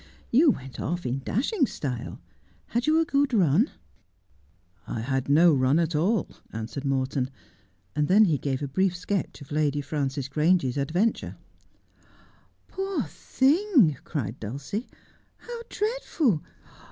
' You went off in dashinp: style. Had you a good run ?' A Fountain of Bitter Waters. 127 ' I had no run at all,' answered Morton ; and then he gave a brief sketch of Lady Trances Grange's adventure. ' Poor thing,' cried Dulcie ;' how dreadful